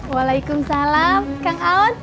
waalaikumsalam kang aon